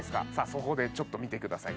そこでちょっと見てください